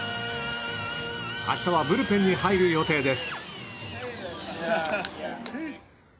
明日はブルペンに入る予定です。